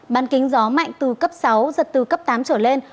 ban kính gió mạnh từ cấp sáu giật từ cấp tám trở lên